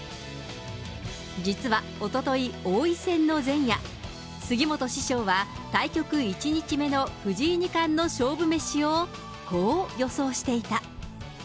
実はおととい、王位戦の前夜、杉本師匠は、対局１日目の藤井二冠の勝負メシをこう予想していた。